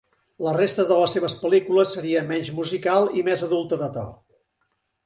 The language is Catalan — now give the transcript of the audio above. La resta de les seves pel·lícules seria menys musical i més adulta de to.